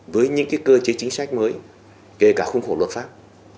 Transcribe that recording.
với những cơ chế chính sách mới kể cả khung khổ luật pháp